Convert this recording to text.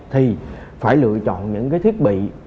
thì phải lựa chọn những cái thiết bị